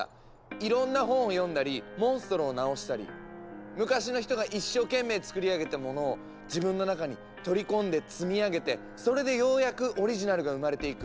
いろんな本を読んだりモンストロを治したり昔の人が一生懸命つくりあげたものを自分の中に取り込んで積み上げてそれでようやくオリジナルが生まれていく。